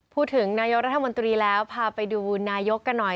พูดถึงนายกรัฐมนตรีแล้วพาไปดูนายกกันหน่อย